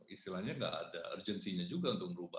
istilahnya gak ada urgensinya juga untuk ngerubah